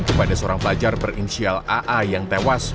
kepada seorang pelajar berinisial aa yang tewas